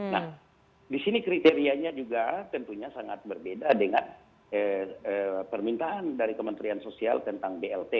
nah di sini kriterianya juga tentunya sangat berbeda dengan permintaan dari kementerian sosial tentang blt